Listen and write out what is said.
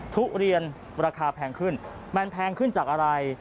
ทุเรียนราคาแพงขึ้นมันแพงขึ้นจากอะไร